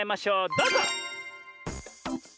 どうぞ！